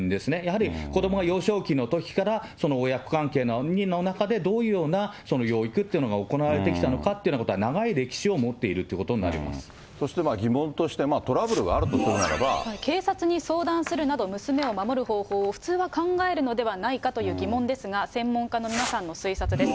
やはり子どもが幼少期のときから親子関係の中でどのようなその養育っていうのが行われてきたのかっていうのが長い歴史を持っていそして疑問として、トラブル警察に相談するなど、娘を守る方法を普通は考えるのではないかという疑問ですが、専門家の皆さんの推察です。